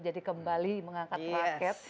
jadi kembali mengangkat raket